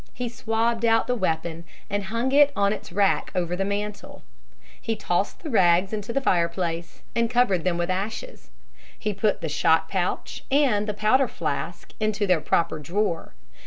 He swabbed out the weapon, and hung it on its rack over the mantel. He tossed the rags into the fireplace and covered them with ashes. He put the shot pouch and the powder flask into their proper drawer.